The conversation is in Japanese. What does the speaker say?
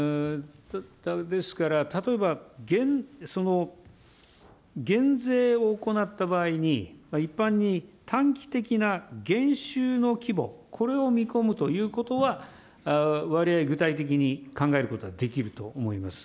ですから、例えば減税を行った場合に、一般に短期的な減収の規模、これを見込むということはわりあい具体的に考えることはできると思います。